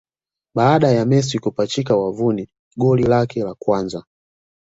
Baada ya Messi kupachika wavuni goli lake la kwanza